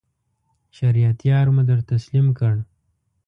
شریعت یار مو در تسلیم کړ.